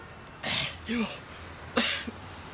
よう。